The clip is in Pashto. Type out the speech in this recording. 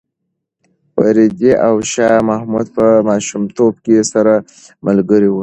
رېدي او شاه محمود په ماشومتوب کې سره ملګري وو.